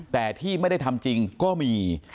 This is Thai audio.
แต่ที่ไม่ได้ทำจริงก็มี